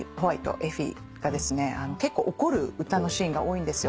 エフィがですね結構怒る歌のシーンが多いんですよ。